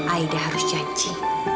aida harus janji